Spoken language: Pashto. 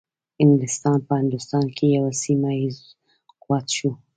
انګلیسان په هندوستان کې یو سیمه ایز قوت شو.